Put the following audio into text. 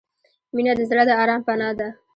• مینه د زړه د آرام پناه ده.